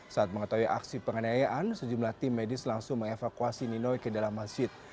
saat mengetahui aksi penganiayaan sejumlah tim medis langsung mengevakuasi ninoi ke dalam masjid